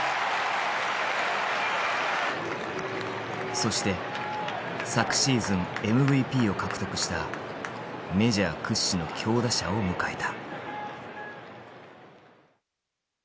そして昨シーズンＭＶＰを獲得したメジャー屈指の強打者を迎えた。